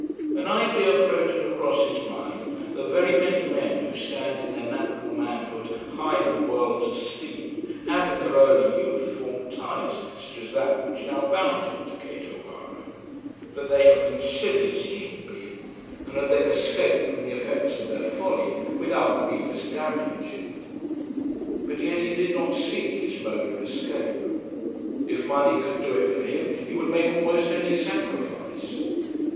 An idea floated across his mind that very many men who stand in their natural manhood high in the world's esteem, have in their early youth formed ties such as that which now bound him to Kate O'Hara, that they have been silly as he had been, and had then escaped from the effects of their folly without grievous damage. But yet he did not see his mode of escape. If money could do it for him he would make almost any sacrifice.